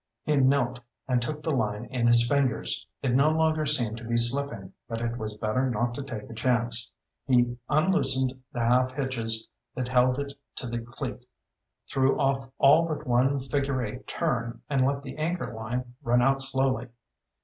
He knelt and took the line in his fingers. It no longer seemed to be slipping, but it was better not to take a chance. He unloosed the half hitches that held it to the cleat, threw off all but one figure eight turn, and let the anchor line run out slowly.